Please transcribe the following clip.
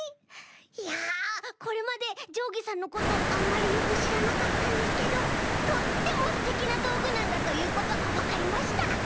いやこれまでじょうぎさんのことあんまりよくしらなかったんですけどとってもステキなどうぐなんだということがわかりました。